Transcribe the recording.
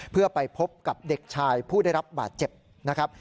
เพื่อไปพบกับเด็กชายผู้ได้รับบาดเจ็บนะครับ